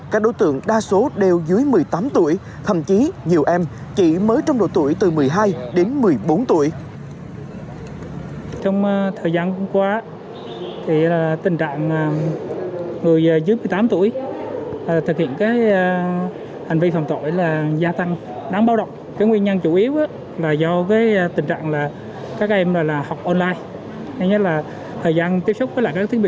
các đối tượng đa số đều dưới một mươi tám tuổi thậm chí nhiều em